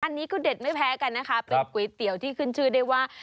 อันนี้ก็เด็ดไม่แพ้กันนะคะเป็นก๋วยเตี๋ยวที่ขึ้นชื่อได้ว่า